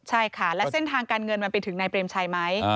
ใช่ค่ะและเส้นทางการเงินมันไปถึงนายเปรมชัยไหม